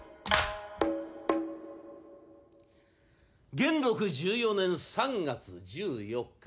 元禄１４年３月１４日。